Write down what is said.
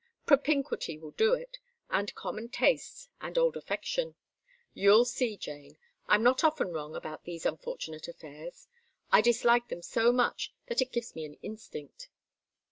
Propinquity will do it, and common tastes, and old affection. You'll see, Jane. I'm not often wrong about these unfortunate affairs. I dislike them so much that it gives me an instinct."